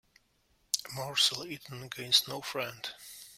A morsel eaten gains no friend.